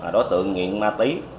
đối tượng nghiện ma tí